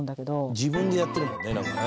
「自分でやってるもんねなんかね」